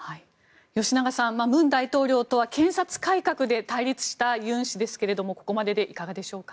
吉永さん、文大統領とは検察改革で対立したユン氏ですがここまででいかがでしょうか。